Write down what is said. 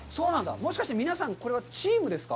もしかして皆さんチームですか？